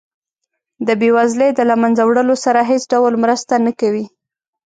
د بیوزلۍ د له مینځه وړلو سره هیڅ ډول مرسته نه کوي.